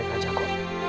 tenang saja ya